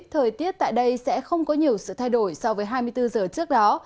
thời tiết tại đây sẽ không có nhiều sự thay đổi so với hai mươi bốn giờ trước đó